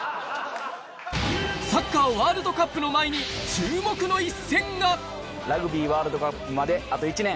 サッカーワールドカップの前に注目の一戦がラグビーワールドカップまであと１年。